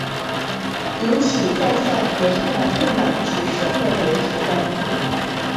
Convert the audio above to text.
引起在校学生的不满及社会媒体关注。